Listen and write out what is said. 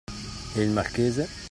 E il marchese?